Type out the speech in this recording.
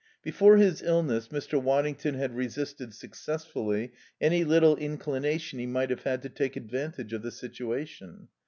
Before his illness Mr. Waddington had resisted successfully any little inclination he might have had to take advantage of the situation.